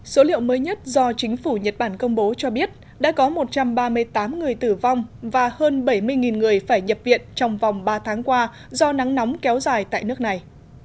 số liệu mới nhất do chính phủ nhật bản công bố cho biết đã có một trăm ba mươi tám người tử vong và hơn bảy mươi người phải nhập viện trong vòng ba tháng qua do nắng nóng kéo dài tại nước này